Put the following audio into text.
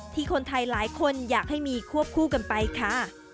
ที่คนไทยหลายคนอยากให้มีควบคู่กันไปค่ะ